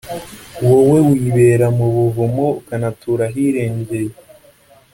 wowe wibera mu buvumo, ukanatura ahirengeye,